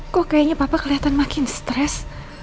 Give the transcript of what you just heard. kok kayaknya papa kelihatan makin stres